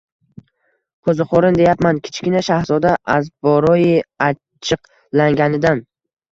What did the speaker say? Qo‘ziqorin, deyapman! — Kichkina shahzoda azboroyi achchiqlanganidan